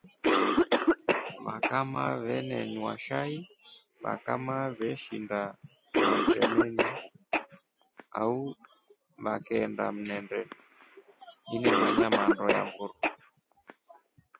Vakamaa venenywa shai vakamaa veshinda matremeni au vakendaa mnendeni inemanya mando ya mburu.